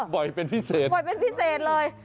บ่อยเป็นพิเศษบ่อยเป็นพิเศษเลย